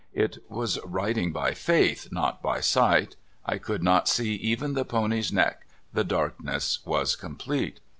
It was riding by faith, not b}^ sight; I could not see even the pony's neck — the darkness was complete.